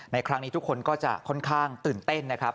ในครั้งนี้ทุกคนก็จะค่อนข้างตื่นเต้นนะครับ